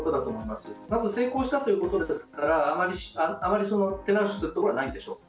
まず成功したということですからあまり手直しするところはないでしょう。